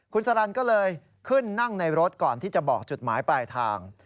คุณสรรค์ก็เลยขึ้นนั่งในรถก่อนที่จะบอกจุดหมายปลายทาง